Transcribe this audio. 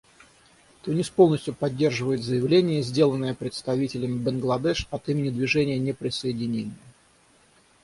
Тунис полностью поддерживает заявление, сделанное представителем Бангладеш от имени Движения неприсоединения.